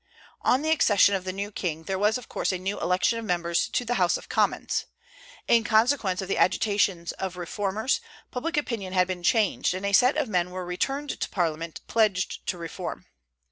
On the accession of the new king, there was of course a new election of members to the House of Commons. In consequence of the agitations of reformers, public opinion had been changed, and a set of men were returned to Parliament pledged to reform.